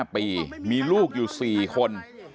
๕ปีมีลูกอยู่๔คน